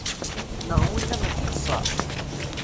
Neɣ wina mačči d sseḥ?